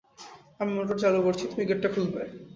আমি মোটর চালু করছি, তুমি গেটটা খুলবে।